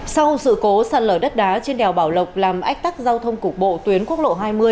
sau sự cố sạt lở đất đá trên đèo bảo lộc làm ách tắc giao thông cục bộ tuyến quốc lộ hai mươi